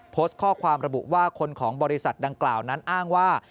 โพสต์ข้อความระบุว่าคนของบริษัทดังกล่าวนั้นอ้างว่า